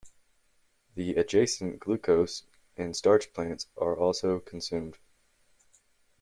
The adjacent glucose and starch plants are also consumed.